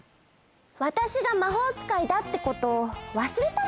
わたしがまほうつかいだってことをわすれたの？